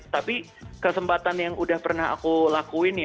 tapi kesempatan yang udah pernah aku lakuin ya